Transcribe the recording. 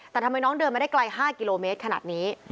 แต่ทำไมน้องเดินมาได้ไกล๕กิโลเมตรขนาดนี้